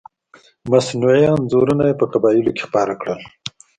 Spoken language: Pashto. مصنوعي انځورونه یې په قبایلو کې خپاره کړل.